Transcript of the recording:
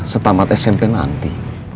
setamat smp nanti